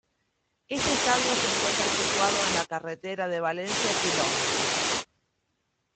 Este estadio se encuentra situado en la Carretera de Valencia, Km.